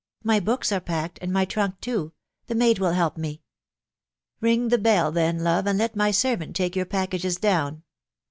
... My hooks are packed, and my trunk too .... the maid will help me." " Ring the bell then, love, and let my servant take your packages down.